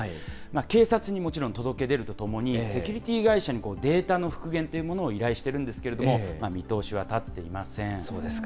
警察にもちろん届け出るとともに、セキュリティー会社にデータの復元というものを依頼しているんですけれども、見通しは立っていまそうですか。